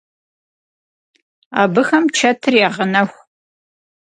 Абыхэм чэтыр ягъэнэху.